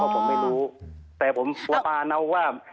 อ๋อก็ผมไม่รู้แต่ผมประนับว่า